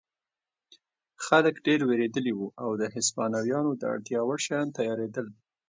خلک ډېر وېرېدلي وو او د هسپانویانو د اړتیا وړ شیان تیارېدل.